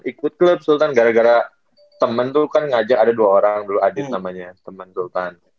ikut klub sultan gara gara temen tuh kan ngajak ada dua orang dulu adit namanya temen sultan